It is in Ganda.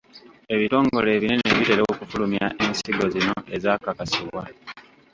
Ebitongole ebinene bitera okufulumya ensigo zino ezaakakasibwa.